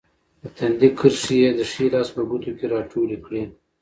د تندي کرښې یې د ښي لاس په ګوتو کې راټولې کړې.